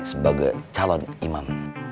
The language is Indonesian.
sebagai calon imam